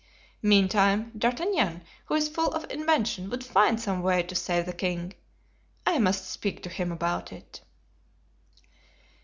Meantime, D'Artagnan, who is full of invention, would find some way to save the king. I must speak to him about it."